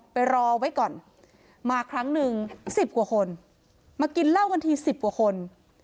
ไปรอไว้ก่อนมาครั้งหนึ่งสิบกว่าคนมากินเหล้ากันทีสิบกว่าคน